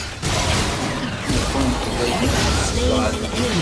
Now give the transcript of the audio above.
Iḥun fell-ak bu lefḍal.